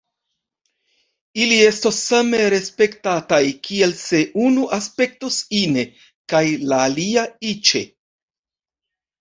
Ili estos same respektataj kiel se unu aspektus ine kaj la alia iĉe.